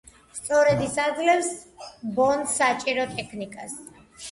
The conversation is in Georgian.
სწორედ ის აძლევს ბონდს საჭირო ტექნიკას.